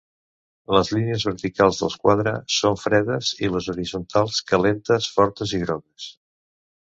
Les línies verticals del quadre són fredes, i les horitzontals calentes, fortes i grogues.